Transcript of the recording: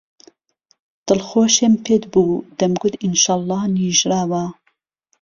دڵخۆشێم پێت بوو دهمگوت ئينشەڵڵا نيژراوه